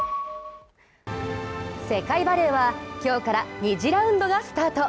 世界バレーは、今日から２次ラウンドがスタート